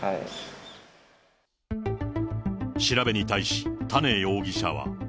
調べに対し、多禰容疑者は。